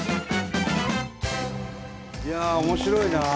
いや面白いな。